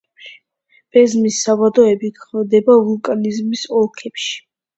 პემზის საბადოები გვხვდება ვულკანიზმის ოლქებში.